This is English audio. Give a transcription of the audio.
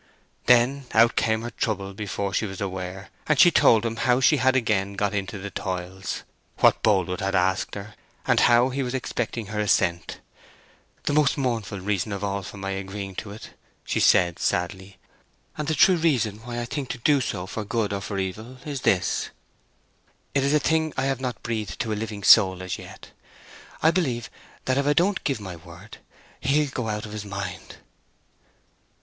Then out came her trouble before she was aware; and she told him how she had again got into the toils; what Boldwood had asked her, and how he was expecting her assent. "The most mournful reason of all for my agreeing to it," she said sadly, "and the true reason why I think to do so for good or for evil, is this—it is a thing I have not breathed to a living soul as yet—I believe that if I don't give my word, he'll go out of his mind."